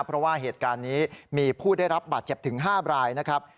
เพราะว่าเหตุการณ์นี้มีผู้ได้รับบาดเจ็บถึง๕รายนะครับ